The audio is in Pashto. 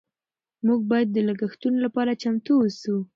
موږ باید د لګښتونو لپاره چمتو اوسو.